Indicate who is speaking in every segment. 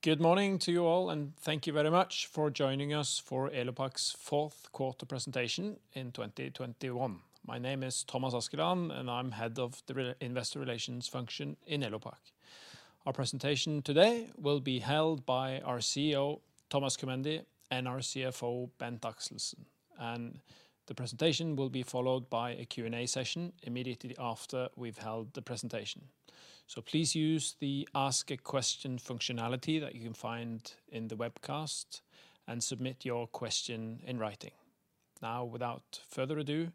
Speaker 1: Good morning to you all, and thank you very much for joining us for Elopak's fourth quarter presentation in 2021. My name is Thomas Askerheim, and I'm head of the investor relations function in Elopak. Our presentation today will be held by our CEO, Thomas Körmendi, and our CFO, Bent K. Axelsen. The presentation will be followed by a Q&A session immediately after we've held the presentation. Please use the Ask a Question functionality that you can find in the webcast and submit your question in writing. Now, without further ado,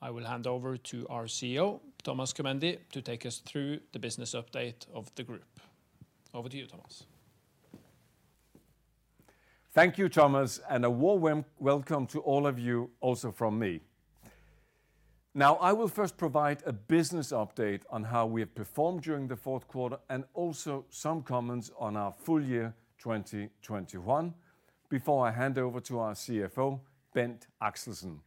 Speaker 1: I will hand over to our CEO, Thomas Körmendi, to take us through the business update of the group. Over to you, Thomas.
Speaker 2: Thank you, Thomas, and a warm welcome to all of you also from me. Now, I will first provide a business update on how we have performed during the fourth quarter and also some comments on our full year 2021 before I hand over to our CFO, Bent Axelsen.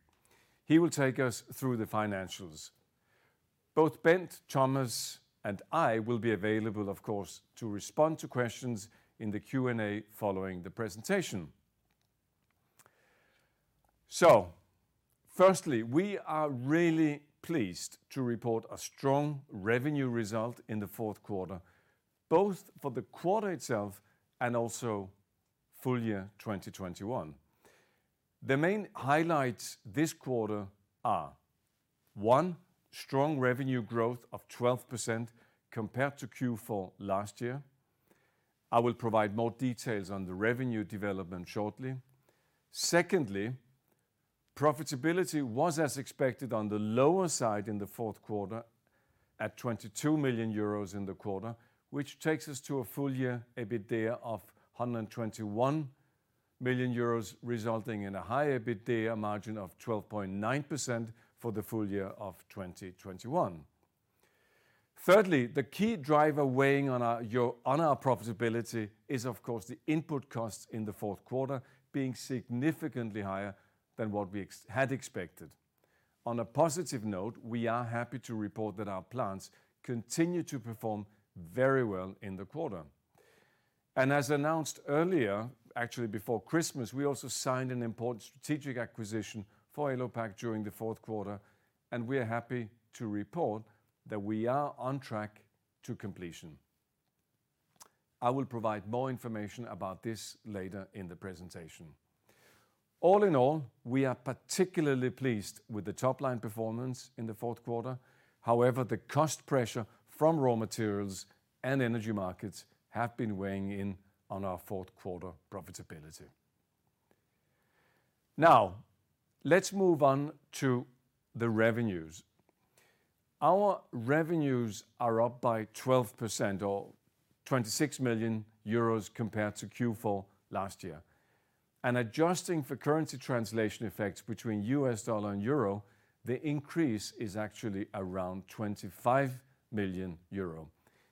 Speaker 2: He will take us through the financials. Both Bent, Thomas, and I will be available, of course, to respond to questions in the Q&A following the presentation. Firstly, we are really pleased to report a strong revenue result in the fourth quarter, both for the quarter itself and also full year 2021. The main highlights this quarter are, one, strong revenue growth of 12% compared to Q4 last year. I will provide more details on the revenue development shortly. Secondly, profitability was as expected on the lower side in the fourth quarter at 22 million euros in the quarter, which takes us to a full year EBITDA of 121 million euros, resulting in a high EBITDA margin of 12.9% for the full year of 2021. Thirdly, the key driver weighing on our profitability is of course the input costs in the fourth quarter being significantly higher than what we had expected. On a positive note, we are happy to report that our plants continue to perform very well in the quarter. As announced earlier, actually before Christmas, we also signed an important strategic acquisition for Elopak during the fourth quarter, and we are happy to report that we are on track to completion. I will provide more information about this later in the presentation. All in all, we are particularly pleased with the top-line performance in the fourth quarter. However, the cost pressure from raw materials and energy markets have been weighing in on our fourth quarter profitability. Now, let's move on to the revenues. Our revenues are up by 12% or 26 million euros compared to Q4 last year. Adjusting for currency translation effects between US dollar and euro, the increase is actually around 25 million euro.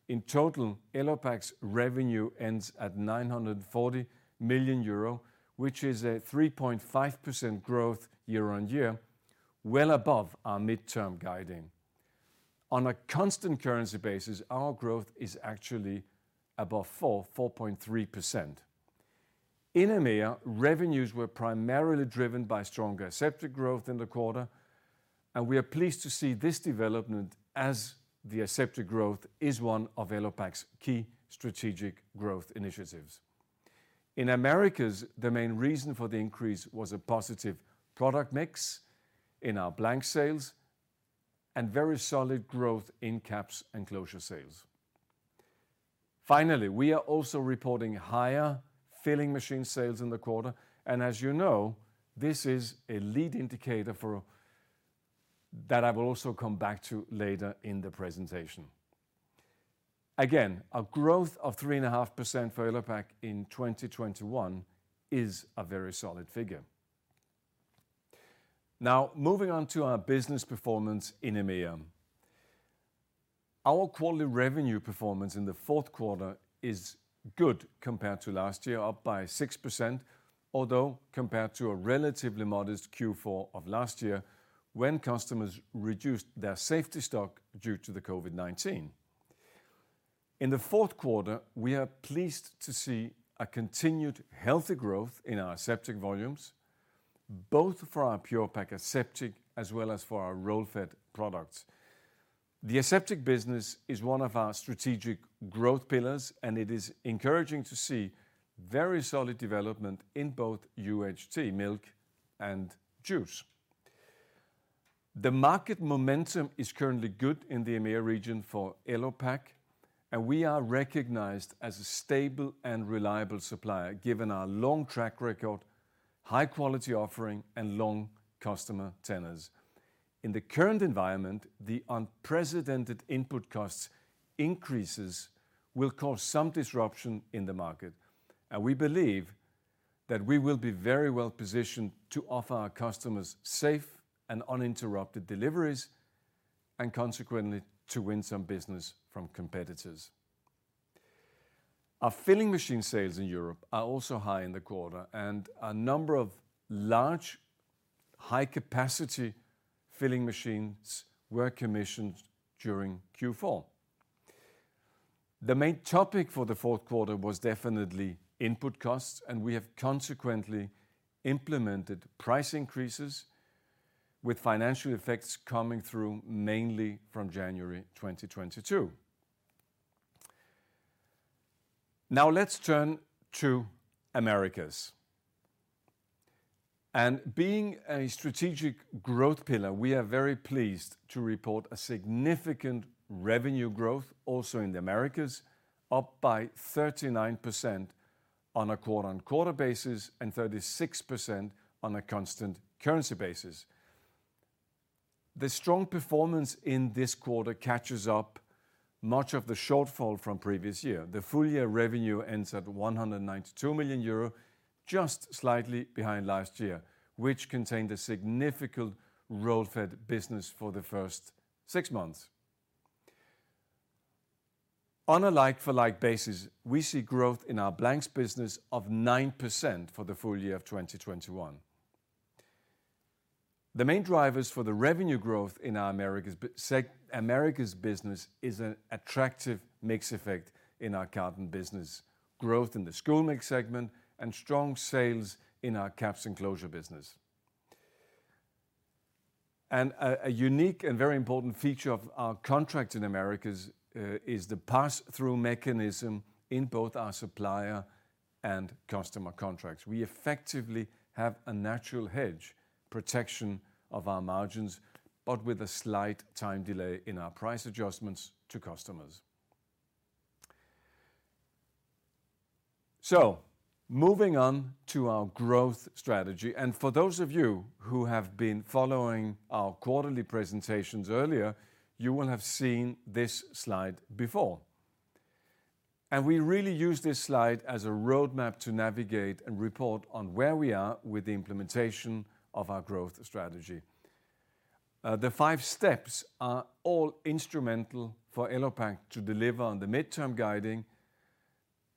Speaker 2: In total, Elopak's revenue ends at 940 million euro, which is a 3.5% growth year-on-year, well above our midterm guiding. On a constant currency basis, our growth is actually above 4.3%. In EMEA, revenues were primarily driven by stronger aseptic growth in the quarter, and we are pleased to see this development as the aseptic growth is one of Elopak's key strategic growth initiatives. In Americas, the main reason for the increase was a positive product mix in our blank sales and very solid growth in caps and closure sales. Finally, we are also reporting higher filling machine sales in the quarter, and as you know, this is a lead indicator that I will also come back to later in the presentation. Again, a growth of 3.5% for Elopak in 2021 is a very solid figure. Now, moving on to our business performance in EMEA. Our quarterly revenue performance in the fourth quarter is good compared to last year, up by 6%, although compared to a relatively modest Q4 of last year when customers reduced their safety stock due to the COVID-19. In the fourth quarter, we are pleased to see a continued healthy growth in our aseptic volumes, both for our Pure-Pak Aseptic as well as for our roll-fed products. The aseptic business is one of our strategic growth pillars, and it is encouraging to see very solid development in both UHT milk and juice. The market momentum is currently good in the EMEA region for Elopak, and we are recognized as a stable and reliable supplier, given our long track record, high quality offering, and long customer tenures. In the current environment, the unprecedented input cost increases will cause some disruption in the market, and we believe that we will be very well positioned to offer our customers safe and uninterrupted deliveries, and consequently to win some business from competitors. Our filling machine sales in Europe are also high in the quarter, and a number of large high-capacity filling machines were commissioned during Q4. The main topic for the fourth quarter was definitely input costs, and we have consequently implemented price increases with financial effects coming through mainly from January 2022. Now let's turn to the Americas. Being a strategic growth pillar, we are very pleased to report a significant revenue growth also in the Americas, up by 39% on a quarter-on-quarter basis and 36% on a constant currency basis. The strong performance in this quarter catches up much of the shortfall from the previous year. The full year revenue ends at 192 million euro, just slightly behind last year, which contained a significant roll-fed business for the first six months. On a like-for-like basis, we see growth in our blanks business of 9% for the full year of 2021. The main drivers for the revenue growth in our Americas business is an attractive mix effect in our carton business, growth in the School Milk segment, and strong sales in our caps and closure business. A unique and very important feature of our contract in Americas is the pass-through mechanism in both our supplier and customer contracts. We effectively have a natural hedge, protection of our margins, but with a slight time delay in our price adjustments to customers. Moving on to our growth strategy, and for those of you who have been following our quarterly presentations earlier, you will have seen this slide before. We really use this slide as a roadmap to navigate and report on where we are with the implementation of our growth strategy. The five steps are all instrumental for Elopak to deliver on the midterm guiding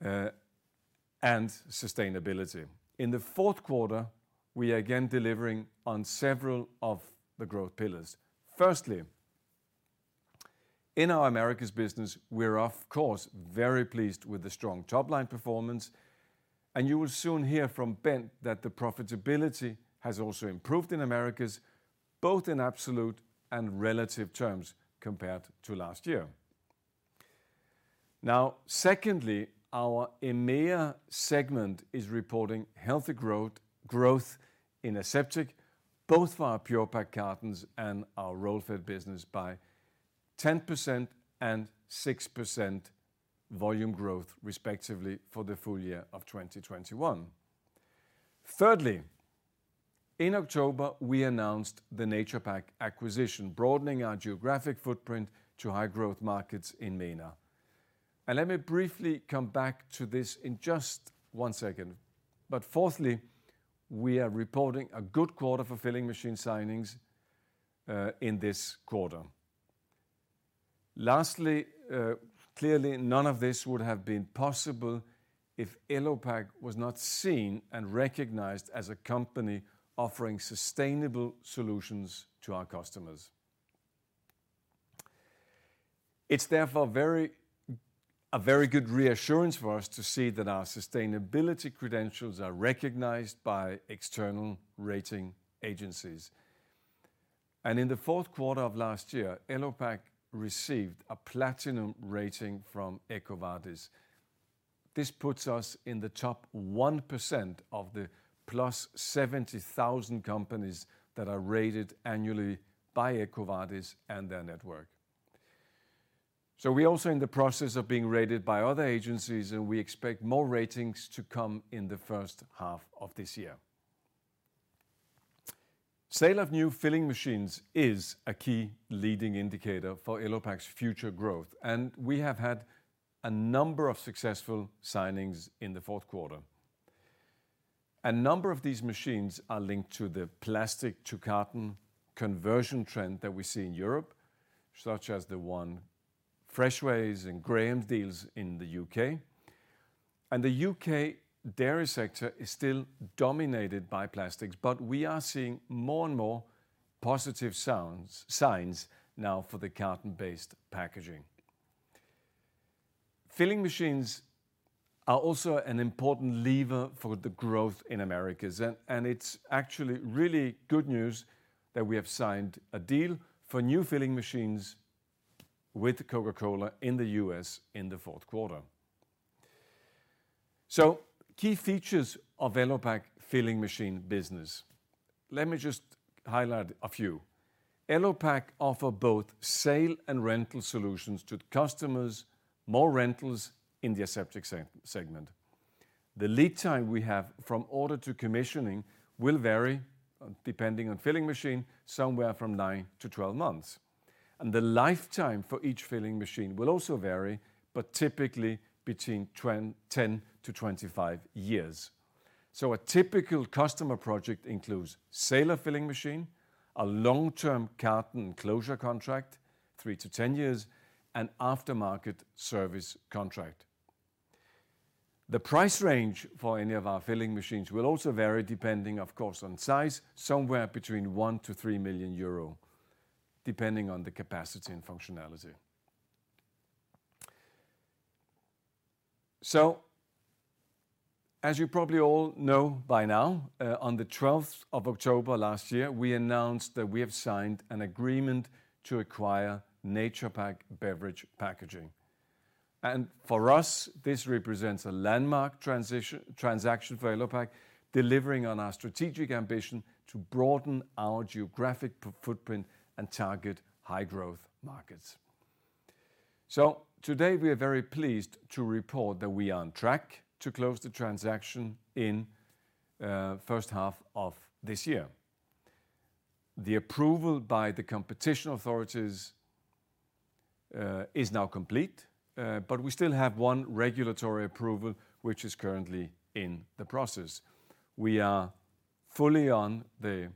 Speaker 2: and sustainability. In the fourth quarter, we are again delivering on several of the growth pillars. Firstly, in our Americas business, we're of course very pleased with the strong top-line performance, and you will soon hear from Bent that the profitability has also improved in Americas, both in absolute and relative terms compared to last year. Now, secondly, our EMEA segment is reporting healthy growth in aseptic, both for our Pure-Pak cartons and our roll-fed business by 10% and 6% volume growth, respectively, for the full year of 2021. Thirdly, in October, we announced the Naturepak acquisition, broadening our geographic footprint to high-growth markets in MENA. Let me briefly come back to this in just one second. Fourthly, we are reporting a good quarter for filling machine signings in this quarter. Lastly, clearly none of this would have been possible if Elopak was not seen and recognized as a company offering sustainable solutions to our customers. It's therefore a very good reassurance for us to see that our sustainability credentials are recognized by external rating agencies. In the fourth quarter of last year, Elopak received a platinum rating from EcoVadis. This puts us in the top 1% of the plus 70,000 companies that are rated annually by EcoVadis and their network. We're also in the process of being rated by other agencies, and we expect more ratings to come in the first half of this year. Sale of new filling machines is a key leading indicator for Elopak's future growth, and we have had a number of successful signings in the fourth quarter. A number of these machines are linked to the plastic to carton conversion trend that we see in Europe, such as the one Freshways and Graham's deals in the U.K. The U.K. dairy sector is still dominated by plastics, but we are seeing more and more positive signs now for the carton-based packaging. Filling machines are also an important lever for the growth in Americas. It's actually really good news that we have signed a deal for new filling machines with Coca-Cola in the U.S. in the fourth quarter. Key features of Elopak filling machine business. Let me just highlight a few. Elopak offer both sale and rental solutions to customers, more rentals in the aseptic segment. The lead time we have from order to commissioning will vary depending on filling machine, somewhere from 9-12 months. The lifetime for each filling machine will also vary, but typically between 10-25 years. A typical customer project includes sale of filling machine, a long-term carton closure contract, 3-10 years, and aftermarket service contract. The price range for any of our filling machines will also vary depending, of course, on size, somewhere between 1 million-3 million euro, depending on the capacity and functionality. As you probably all know by now, on the 12th of October last year, we announced that we have signed an agreement to acquire Naturepak Beverage Packaging. For us, this represents a landmark transaction for Elopak, delivering on our strategic ambition to broaden our geographic footprint and target high-growth markets. Today, we are very pleased to report that we are on track to close the transaction in the first half of this year. The approval by the competition authorities is now complete, but we still have one regulatory approval which is currently in the process. We are fully on the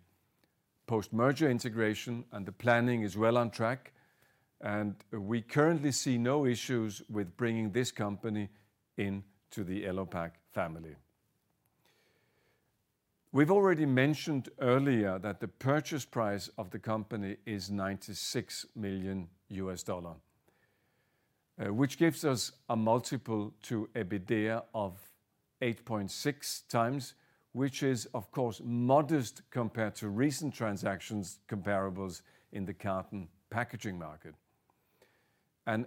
Speaker 2: post-merger integration, and the planning is well on track, and we currently see no issues with bringing this company into the Elopak family. We've already mentioned earlier that the purchase price of the company is $96 million, which gives us a multiple to EBITDA of 8.6x, which is, of course, modest compared to recent transactions comparables in the carton packaging market.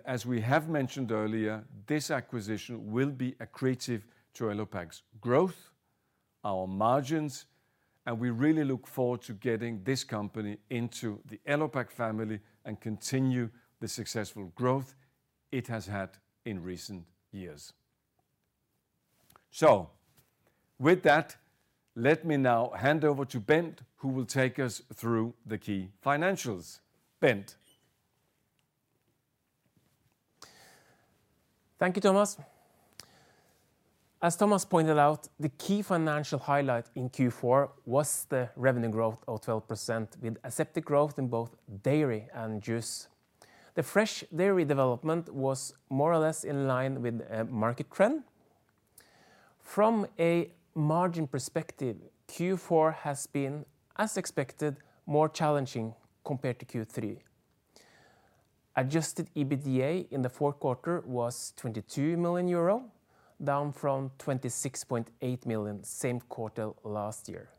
Speaker 2: As we have mentioned earlier, this acquisition will be accretive to Elopak's growth, our margins, and we really look forward to getting this company into the Elopak family and continue the successful growth it has had in recent years. With that, let me now hand over to Bent, who will take us through the key financials. Bent?
Speaker 3: Thank you, Thomas. As Thomas pointed out, the key financial highlight in Q4 was the revenue growth of 12%, with aseptic growth in both dairy and juice. The fresh dairy development was more or less in line with market trend. From a margin perspective, Q4 has been, as expected, more challenging compared to Q3. Adjusted EBITDA in the fourth quarter was 22 million euro, down from 26.8 million same quarter last year.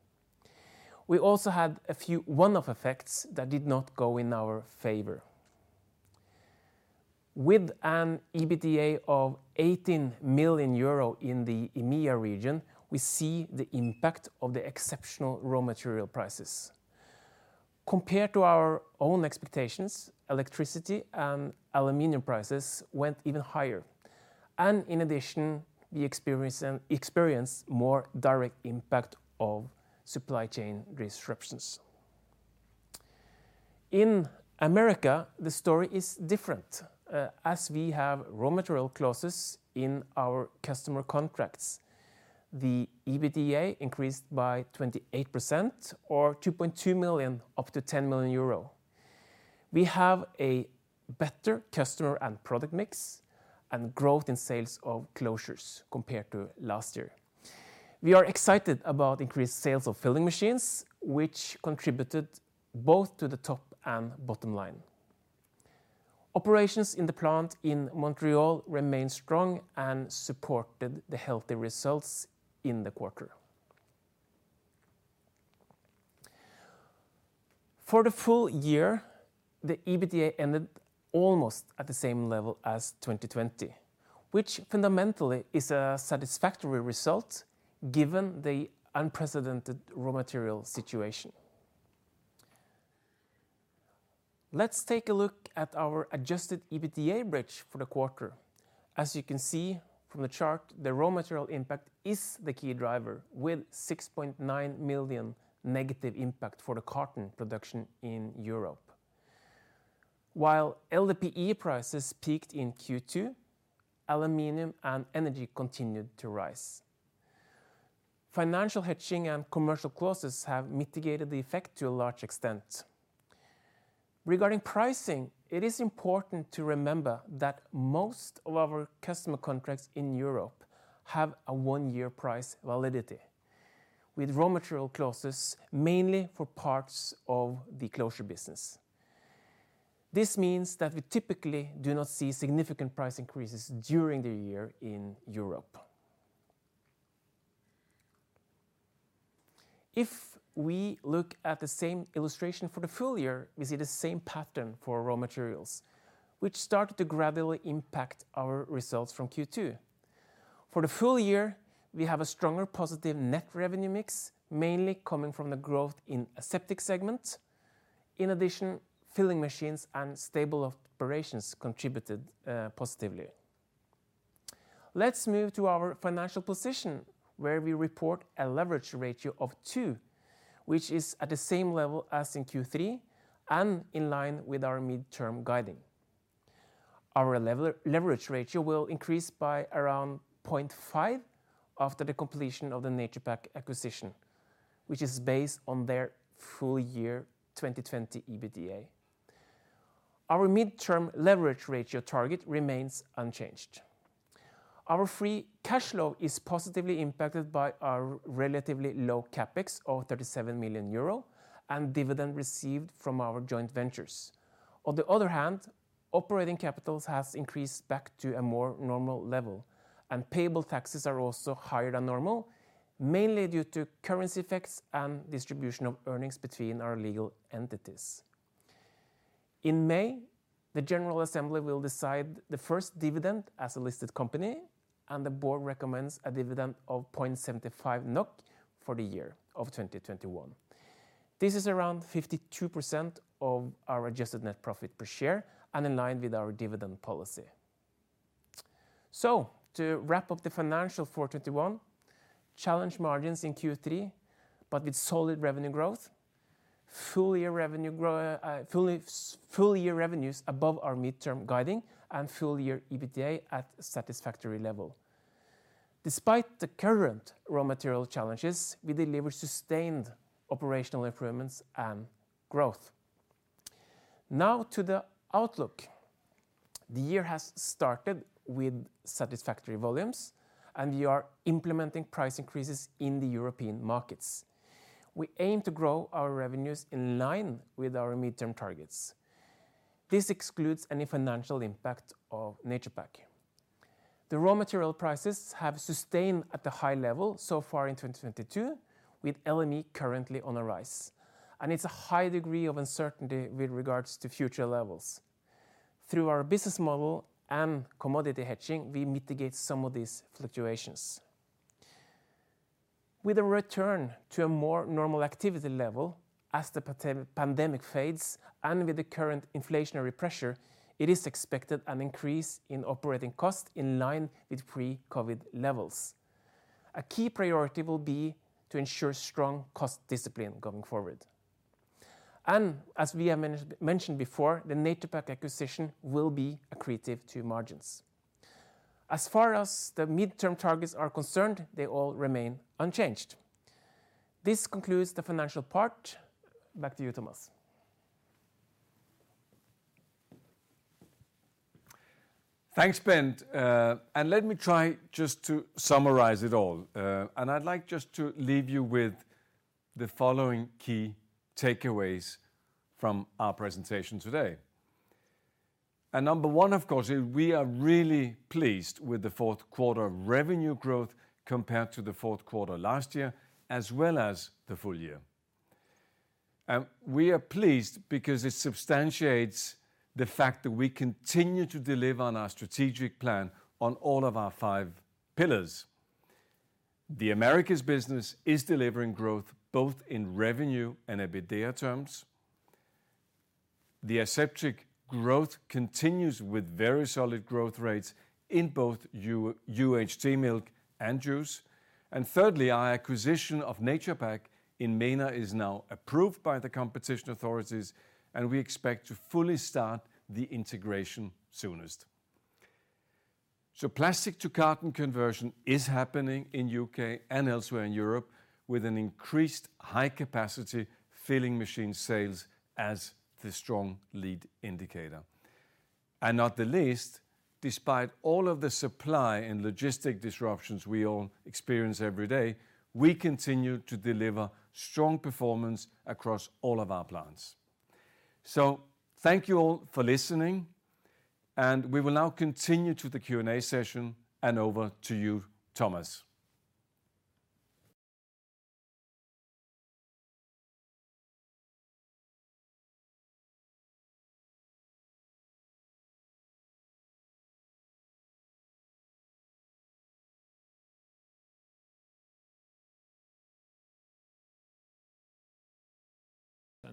Speaker 3: We also had a few one-off effects that did not go in our favor. With an EBITDA of 18 million euro in the EMEA region, we see the impact of the exceptional raw material prices. Compared to our own expectations, electricity and aluminum prices went even higher, and in addition, we experienced more direct impact of supply chain disruptions. In America, the story is different, as we have raw material clauses in our customer contracts. The EBITDA increased by 28% or 2.2 million, up to 10 million euro. We have a better customer and product mix, and growth in sales of closures compared to last year. We are excited about increased sales of filling machines, which contributed both to the top and bottom line. Operations in the plant in Montreal remained strong and supported the healthy results in the quarter. For the full year, the EBITDA ended almost at the same level as 2020, which fundamentally is a satisfactory result given the unprecedented raw material situation. Let's take a look at our adjusted EBITDA bridge for the quarter. As you can see from the chart, the raw material impact is the key driver with 6.9 million negative impact for the carton production in Europe. While LDPE prices peaked in Q2, aluminum and energy continued to rise. Financial hedging and commercial clauses have mitigated the effect to a large extent. Regarding pricing, it is important to remember that most of our customer contracts in Europe have a one-year price validity with raw material clauses mainly for parts of the closure business. This means that we typically do not see significant price increases during the year in Europe. If we look at the same illustration for the full year, we see the same pattern for raw materials, which started to gradually impact our results from Q2. For the full year, we have a stronger positive net revenue mix, mainly coming from the growth in aseptic segment. In addition, filling machines and stable operations contributed positively. Let's move to our financial position, where we report a leverage ratio of 2, which is at the same level as in Q3 and in line with our midterm guiding. Our leverage ratio will increase by around 0.5 after the completion of the Naturepak acquisition, which is based on their full year 2020 EBITDA. Our midterm leverage ratio target remains unchanged. Our free cash flow is positively impacted by our relatively low CapEx of 37 million euro and dividend received from our joint ventures. On the other hand, operating capitals has increased back to a more normal level, and payable taxes are also higher than normal, mainly due to currency effects and distribution of earnings between our legal entities. In May, the general assembly will decide the first dividend as a listed company, and the board recommends a dividend of 0.75 NOK for the year of 2021. This is around 52% of our adjusted net profit per share and in line with our dividend policy. To wrap up the financials for 2021, challenged margins in Q3, but with solid revenue growth, full year revenues above our mid-term guidance and full year EBITDA at satisfactory level. Despite the current raw material challenges, we deliver sustained operational improvements and growth. To the outlook. The year has started with satisfactory volumes, and we are implementing price increases in the European markets. We aim to grow our revenues in line with our mid-term targets. This excludes any financial impact of Naturepak. The raw material prices have sustained at a high level so far in 2022, with LME currently on the rise, and it's a high degree of uncertainty with regards to future levels. Through our business model and commodity hedging, we mitigate some of these fluctuations. With a return to a more normal activity level as the pandemic fades and with the current inflationary pressure, it is expected an increase in operating costs in line with pre-COVID levels. A key priority will be to ensure strong cost discipline going forward. As we have mentioned before, the Naturepak acquisition will be accretive to margins. As far as the midterm targets are concerned, they all remain unchanged. This concludes the financial part. Back to you, Thomas.
Speaker 2: Thanks, Bent, and let me try just to summarize it all. I'd like just to leave you with the following key takeaways from our presentation today. Number one, of course, is we are really pleased with the fourth quarter revenue growth compared to the fourth quarter last year, as well as the full year. We are pleased because it substantiates the fact that we continue to deliver on our strategic plan on all of our five pillars. The Americas business is delivering growth both in revenue and EBITDA terms. The aseptic growth continues with very solid growth rates in both UHT milk and juice. Thirdly, our acquisition of Naturepak in MENA is now approved by the competition authorities, and we expect to fully start the integration soonest. Plastic to carton conversion is happening in the U.K. and elsewhere in Europe with an increased high capacity filling machine sales as the strong lead indicator. Not the least, despite all of the supply and logistics disruptions we all experience every day, we continue to deliver strong performance across all of our plants. Thank you all for listening, and we will now continue to the Q&A session, and over to you, Thomas.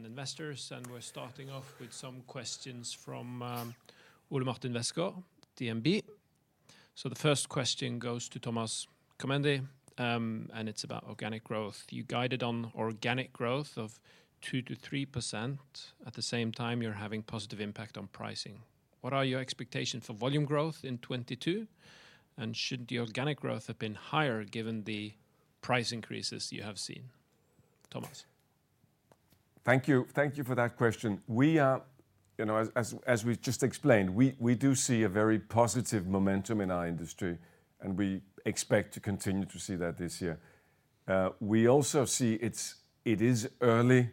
Speaker 1: Investors, and we're starting off with some questions from Ole Martin Westgaard, DNB. The first question goes to Thomas Körmendi, and it's about organic growth. You guided on organic growth of 2%-3%. At the same time, you're having positive impact on pricing. What are your expectations for volume growth in 2022? And should the organic growth have been higher given the price increases you have seen? Thomas.
Speaker 2: Thank you. Thank you for that question. We are, you know, as we just explained, we do see a very positive momentum in our industry, and we expect to continue to see that this year. We also see it is early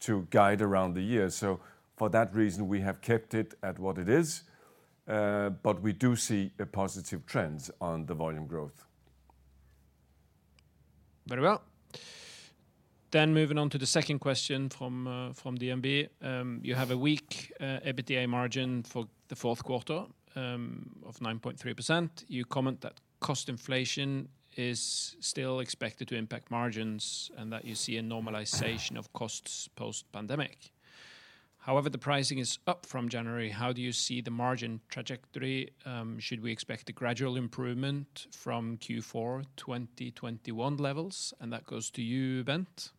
Speaker 2: to guide around the year, so for that reason, we have kept it at what it is, but we do see a positive trends on the volume growth.
Speaker 1: Very well. Moving on to the second question from DNB. You have a weak EBITDA margin for the fourth quarter of 9.3%. You comment that cost inflation is still expected to impact margins and that you see a normalization of costs post-pandemic. However, the pricing is up from January. How do you see the margin trajectory? Should we expect a gradual improvement from Q4 2021 levels? That goes to you, Bent.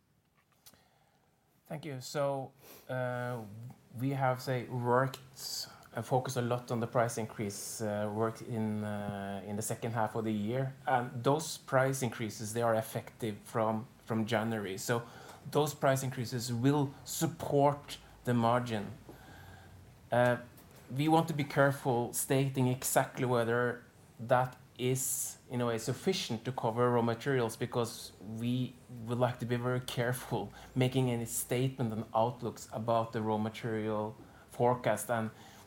Speaker 3: Thank you. We have worked a lot on the price increases in the second half of the year. Those price increases, they are effective from January. Those price increases will support the margin. We want to be careful stating exactly whether that is in a way sufficient to cover raw materials because we would like to be very careful making any statement on outlooks about the raw material forecast.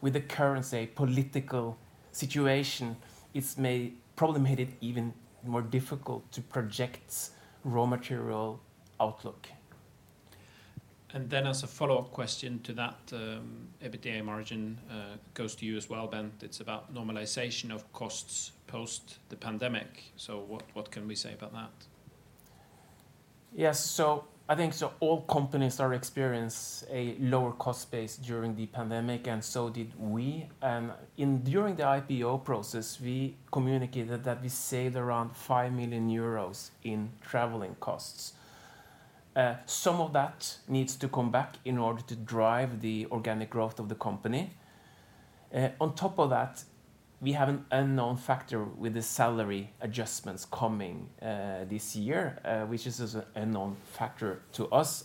Speaker 3: With the current political situation, it's probably made it even more difficult to project raw material outlook.
Speaker 1: As a follow-up question to that, EBITDA margin goes to you as well, Bent. It's about normalization of costs post the pandemic. What can we say about that?
Speaker 3: Yes. I think all companies are experiencing a lower cost base during the pandemic, and so did we. During the IPO process, we communicated that we saved around 5 million euros in traveling costs. Some of that needs to come back in order to drive the organic growth of the company. On top of that, we have an unknown factor with the salary adjustments coming this year, which is just an unknown factor to us.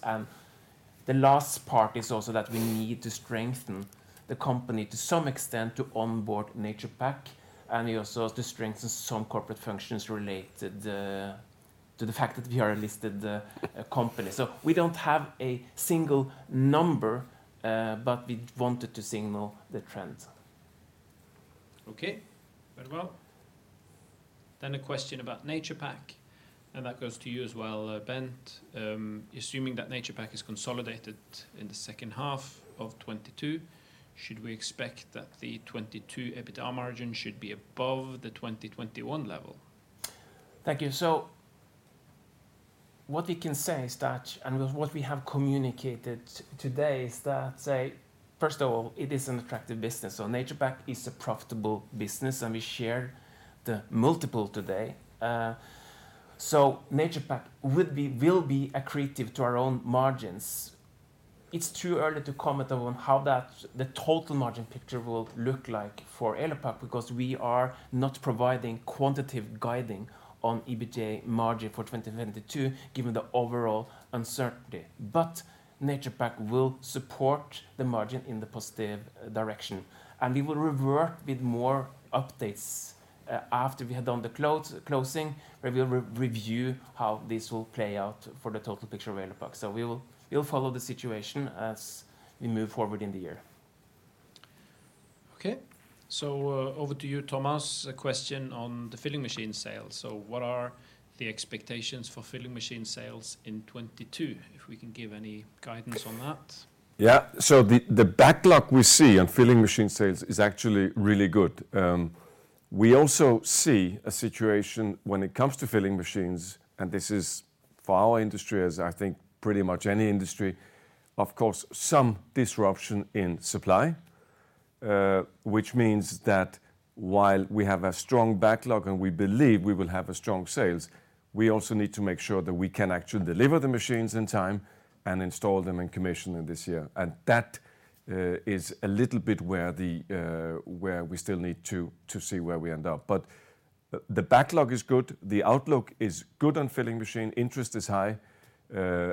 Speaker 3: The last part is also that we need to strengthen the company to some extent to onboard Naturepak and also to strengthen some corporate functions related to the fact that we are a listed company. We don't have a single number, but we wanted to signal the trends.
Speaker 1: Okay. Very well. A question about Naturepak, and that goes to you as well, Bent. Assuming that Naturepak is consolidated in the second half of 2022, should we expect that the 2022 EBITDA margin should be above the 2021 level?
Speaker 3: Thank you. What we can say is that, and with what we have communicated today, is that, first of all, it is an attractive business. Naturepak is a profitable business, and we share the multiple today. Naturepak would be, will be accretive to our own margins. It's too early to comment on how that, the total margin picture will look like for Elopak because we are not providing quantitative guiding on EBITDA margin for 2022 given the overall uncertainty. Naturepak will support the margin in the positive direction, and we will revert with more updates, after we have done the closing, where we'll review how this will play out for the total picture of Elopak. We will follow the situation as we move forward in the year.
Speaker 1: Okay. Over to you, Thomas, a question on the filling machine sales. What are the expectations for filling machine sales in 2022? If we can give any guidance on that.
Speaker 2: The backlog we see on filling machine sales is actually really good. We also see a situation when it comes to filling machines, and this is for our industry, as I think pretty much any industry, of course, some disruption in supply, which means that while we have a strong backlog and we believe we will have a strong sales, we also need to make sure that we can actually deliver the machines in time and install and commission them this year. That is a little bit where we still need to see where we end up. The backlog is good, the outlook is good on filling machine. Interest is high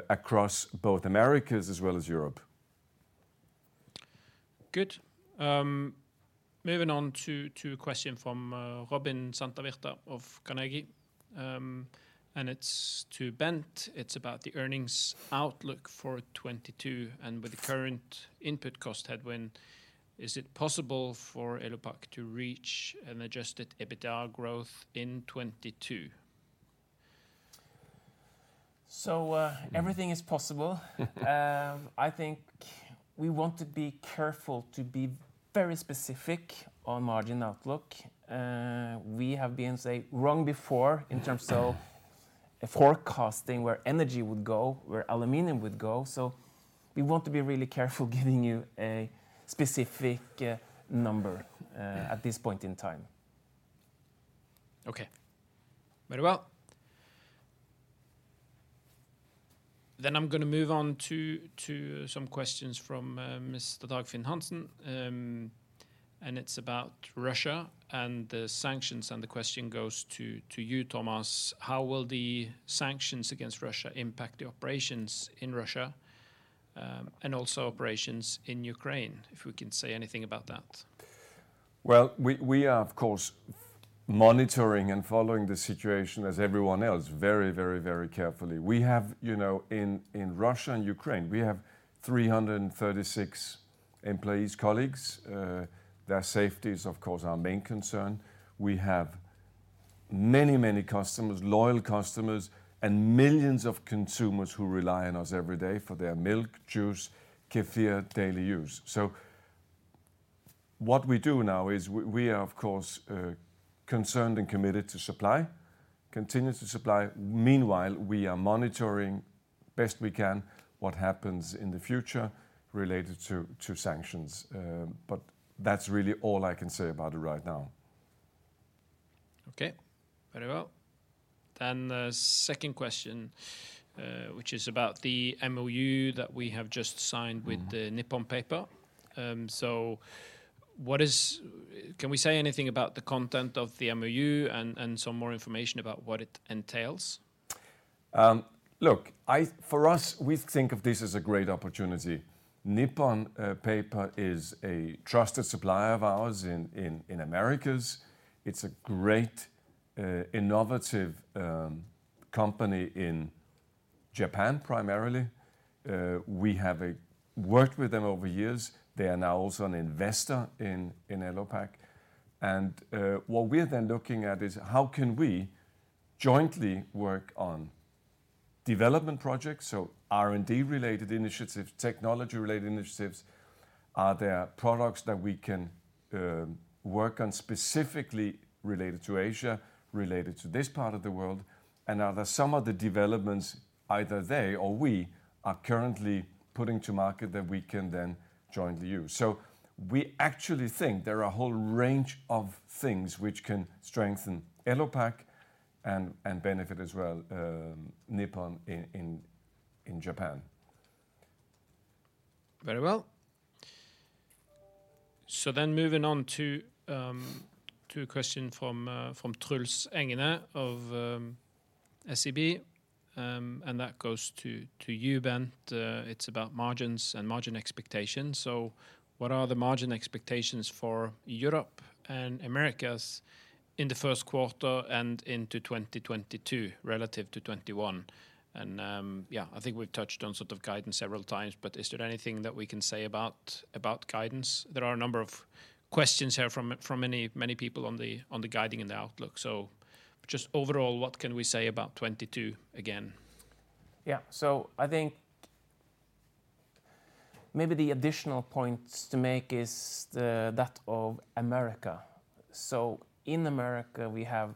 Speaker 2: across both Americas as well as Europe.
Speaker 1: Good. Moving on to a question from Robin Santavirta of Carnegie, and it's to Bent. It's about the earnings outlook for 2022, and with the current input cost headwind, is it possible for Elopak to reach an adjusted EBITDA growth in 2022?
Speaker 3: Everything is possible. I think we want to be careful to be very specific on margin outlook. We have been, say, wrong before in terms of forecasting where energy would go, where aluminum would go. We want to be really careful giving you a specific number at this point in time.
Speaker 1: Okay. Very well. I'm gonna move on to some questions from Mr. Dagfinn Hansen, and it's about Russia and the sanctions, and the question goes to you, Thomas. How will the sanctions against Russia impact the operations in Russia, and also operations in Ukraine, if we can say anything about that?
Speaker 2: Well, we are of course monitoring and following the situation as everyone else very carefully. We have, you know, in Russia and Ukraine, we have 336 employees, colleagues. Their safety is, of course, our main concern. We have many customers, loyal customers, and millions of consumers who rely on us every day for their milk, juice, kefir daily use. What we do now is we are of course concerned and committed to supply, continue to supply. Meanwhile, we are monitoring best we can what happens in the future related to sanctions. But that's really all I can say about it right now.
Speaker 1: Okay, very well. The second question, which is about the MOU that we have just signed with-
Speaker 2: Mm-hmm
Speaker 1: the Nippon Paper Industries. Can we say anything about the content of the MOU and some more information about what it entails?
Speaker 2: Look, for us, we think of this as a great opportunity. Nippon Paper is a trusted supplier of ours in Americas. It's a great innovative company in Japan, primarily. We have worked with them over years. They are now also an investor in Elopak. What we're then looking at is how can we jointly work on development projects, so R&D-related initiatives, technology-related initiatives. Are there products that we can work on specifically related to Asia, related to this part of the world? Are there some of the developments either they or we are currently putting to market that we can then jointly use? We actually think there are a whole range of things which can strengthen Elopak and benefit as well, Nippon in Japan.
Speaker 1: Very well. Moving on to a question from Truls Engene of SEB, and that goes to you, Bent. It's about margins and margin expectations. What are the margin expectations for Europe and Americas in the first quarter and into 2022 relative to 2021? Yeah, I think we've touched on sort of guidance several times, but is there anything that we can say about guidance? There are a number of questions here from many people on the guiding and the outlook. Just overall, what can we say about 2022 again?
Speaker 3: I think maybe the additional points to make is that of America. In America we have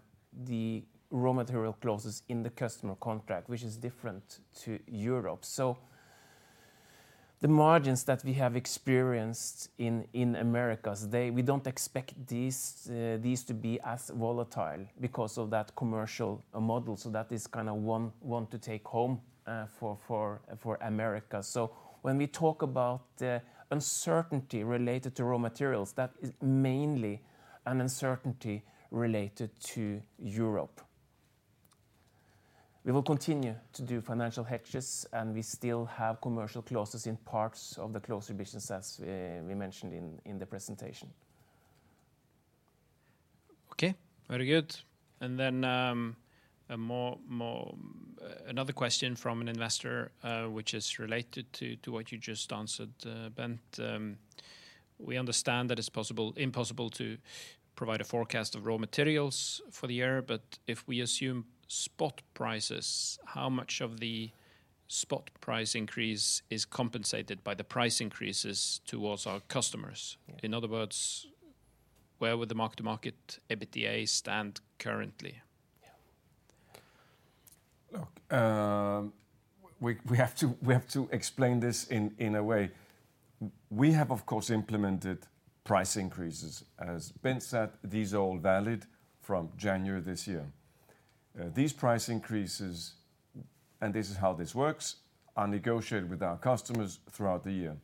Speaker 3: the raw material clauses in the customer contract, which is different to Europe. The margins that we have experienced in Americas, we don't expect these to be as volatile because of that commercial model. That is kind of one to take home for America. When we talk about the uncertainty related to raw materials, that is mainly an uncertainty related to Europe. We will continue to do financial hedges, and we still have commercial clauses in parts of the closure business as we mentioned in the presentation.
Speaker 1: Okay. Very good. Another question from an investor, which is related to what you just answered, Bent. We understand that it's impossible to provide a forecast of raw materials for the year. If we assume spot prices, how much of the spot price increase is compensated by the price increases towards our customers?
Speaker 3: Yeah.
Speaker 1: In other words, where would the mark-to-market EBITDA stand currently?
Speaker 3: Yeah.
Speaker 2: Look, we have to explain this in a way. We have, of course, implemented price increases. As Bent said, these are all valid from January this year. These price increases, and this is how this works, are negotiated with our customers throughout the year.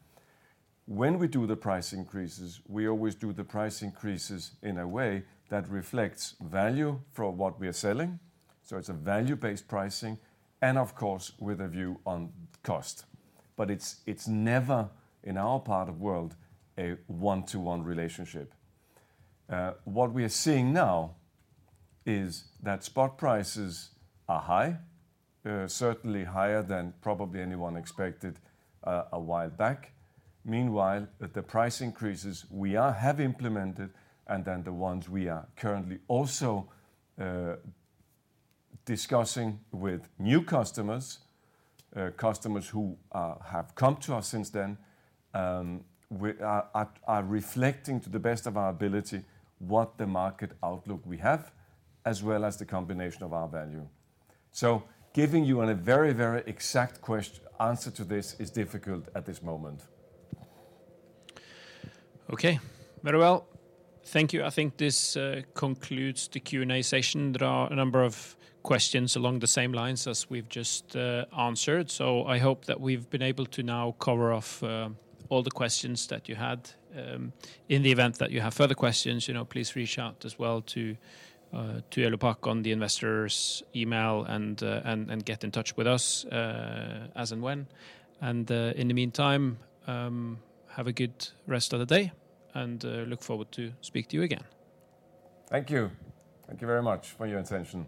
Speaker 2: When we do the price increases, we always do the price increases in a way that reflects value for what we are selling, so it's a value-based pricing, and of course, with a view on cost. But it's never, in our part of world, a one-to-one relationship. What we are seeing now is that spot prices are high, certainly higher than probably anyone expected a while back. Meanwhile, the price increases we are... have implemented and then the ones we are currently also discussing with new customers who have come to us since then. We are reflecting to the best of our ability what the market outlook we have, as well as the combination of our value. Giving you a very, very exact question-answer to this is difficult at this moment.
Speaker 1: Okay. Very well. Thank you. I think this concludes the Q&A session. There are a number of questions along the same lines as we've just answered, so I hope that we've been able to now cover off all the questions that you had. In the event that you have further questions, you know, please reach out as well to Elopak on the investors email and get in touch with us as and when. In the meantime, have a good rest of the day, and look forward to speak to you again.
Speaker 2: Thank you. Thank you very much for your attention.